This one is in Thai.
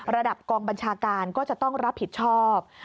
ระดับกองบัญชาการก็จะต้องรับผิดชอบ